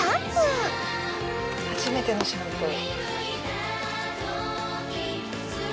はじめてのシャンプー。